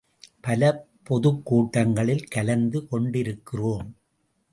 பல பொதுக் கூட்டங்களில் கலந்து கொண்டிருக்கிறோம்.